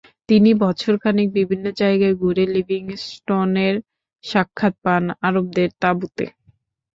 তিনি বছর খানেক বিভিন্ন জায়গায় ঘুরে লিভিংস্টোনের সাক্ষাৎ পান আরবদের তাঁবুতে।